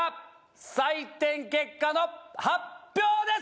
採点結果の発表です！